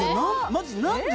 マジ何で？